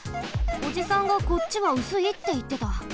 おじさんが「こっちはうすい」っていってた。